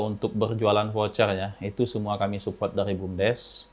untuk penjualan voucher itu semua kami support dari bumdes